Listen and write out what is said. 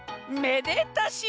めでたし！」。